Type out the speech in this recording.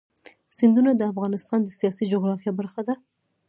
سیندونه د افغانستان د سیاسي جغرافیه برخه ده.